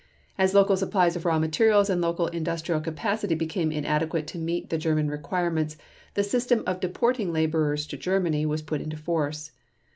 As local supplies of raw materials and local industrial capacity became inadequate to meet the German requirements, the system of deporting laborers to Germany was put into force.